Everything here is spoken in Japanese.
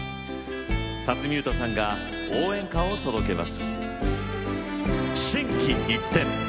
辰巳ゆうとさんが応援歌を届けます。